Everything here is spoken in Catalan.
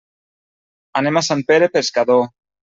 Anem a Sant Pere Pescador.